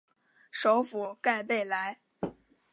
首府盖贝莱。